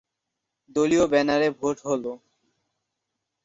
দলীয় ব্যানারে ভোট হলো।